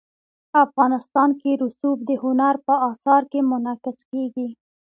افغانستان کې رسوب د هنر په اثار کې منعکس کېږي.